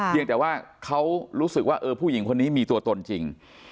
ยังแต่ว่าเขารู้สึกว่าเออผู้หญิงคนนี้มีตัวตนจริง